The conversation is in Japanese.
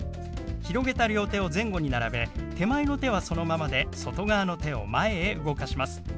広げた両手を前後に並べ手前の手はそのままで外側の手を前へ動かします。